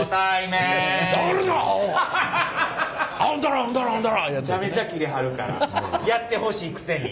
めちゃめちゃキレはるからやってほしいくせに。